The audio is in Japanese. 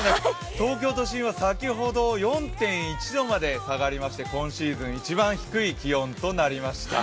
東京都心は先ほど４．１度まで下がりまして今シーズン一番低い気温となりました。